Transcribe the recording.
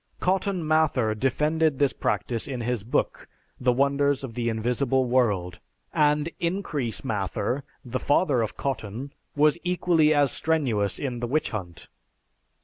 Cotton Mather defended this practice in his book, "The Wonders of The Invisible World," and Increase Mather, the father of Cotton, was equally as strenuous in the "Witch Hunt."